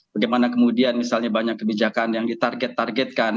bagaimana kemudian misalnya banyak kebijakan yang ditarget targetkan